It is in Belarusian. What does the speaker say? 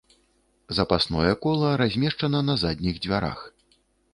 Запасное кола размешчана на задніх дзвярах.